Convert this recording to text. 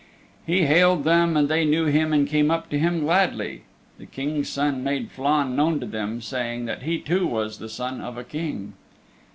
He hailed them and they knew him and came up to him gladly. The King's Son made Flann known to them, saying that he too was the son of a King.